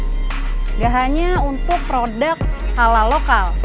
tidak hanya untuk produk halal lokal